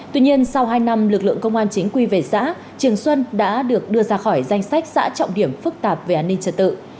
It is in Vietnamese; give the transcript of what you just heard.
tuy nhiên sau hai năm lực lượng công an chính quy về xã trường xuân đã được đưa ra khỏi danh sách xã trọng điểm phức tạp về an ninh trật tự